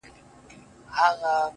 • ما به لیده چي زولنې دي ماتولې اشنا,